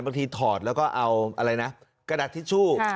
บางทีถอดแล้วก็เอาอะไรน่ะกระดาษทิชชู่ค่ะ